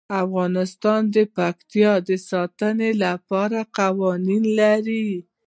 افغانستان د پکتیا د ساتنې لپاره قوانین لري.